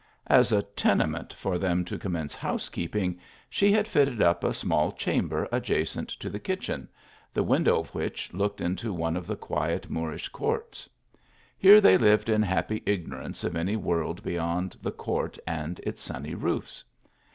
As a tenement for them to commence housekeep ing she had fitted up a small chamber adjacent to the kitchen, the window of which looked into one of the quiet Moorish courts. Here they lived in happy ignorance of any world beyond the court and its sunny roofs.